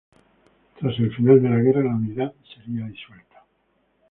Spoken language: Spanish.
Tras el final de la guerra la unidad sería disuelta.